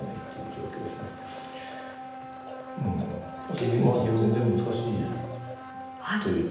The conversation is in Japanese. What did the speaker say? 結構まだ全然難しいというか。